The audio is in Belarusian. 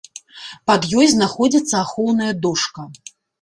Пад ёй знаходзіцца ахоўная дошка.